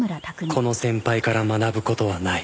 この先輩から学ぶ事はない